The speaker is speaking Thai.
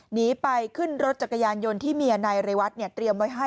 หนีไปขึ้นรถจักรยานยนต์ที่เมียนายเรวัตเตรียมไว้ให้